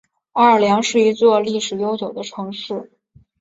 奥尔良是一座历史悠久的城市。